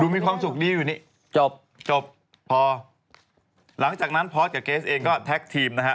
มีความสุขดีอยู่นี่จบจบพอหลังจากนั้นพอสกับเกสเองก็แท็กทีมนะฮะ